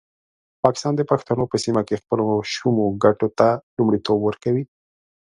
پاکستان د پښتنو په سیمه کې خپلو شومو ګټو ته لومړیتوب ورکوي.